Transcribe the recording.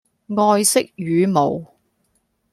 愛惜羽毛